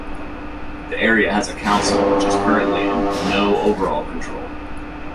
The area has a Council which is currently in 'No Overall Control'.